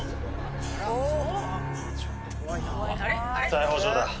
逮捕状だ。